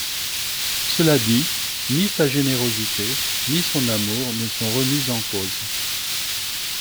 Cela dit, ni sa générosité, ni son amour, ne sont remises en cause.